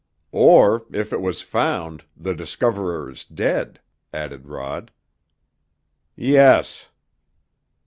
"Or, if it was found, the discoverer is dead," added Rod. "Yes."